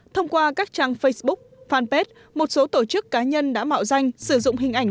thông qua các trang facebook fanpage một số tổ chức cá nhân đã mạo danh sử dụng hình ảnh